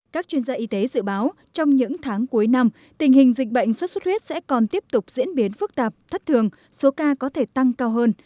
các chuyên gia y tế dự báo trong những tháng cuối năm tình hình dịch bệnh xuất xuất huyết sẽ còn tiếp tục diễn biến phức tạp thất thường số ca có thể tăng cao hơn